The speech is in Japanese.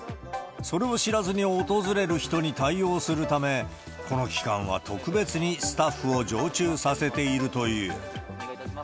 それを知らずに訪れる人に対応するため、この期間は特別にスタッフを常駐させているという。